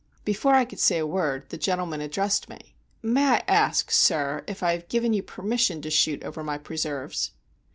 Before I could say a word, the gentleman addressed me. "May I ask, sir, if I have given you permission to shoot over my preserves?"